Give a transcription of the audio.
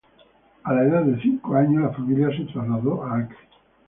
A la edad de cinco años la familia se trasladó a Acre.